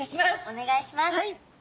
お願いします。